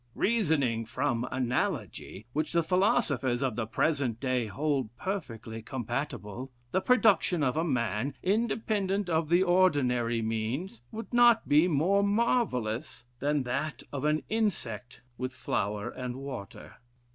Reasoning from analogy, which the philosophers of the present day hold perfectly compatible, the production of a man, independent of the ordinary means, would not be more marvellous than that of an insect with flour and water.